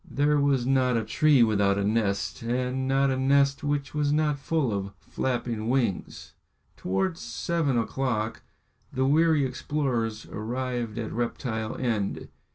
There was not a tree without a nest, and not a nest which was not full of flapping wings. Towards seven o'clock the weary explorers arrived at Reptile End.